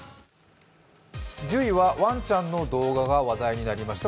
１０位はワンちゃんの動画が話題になりました。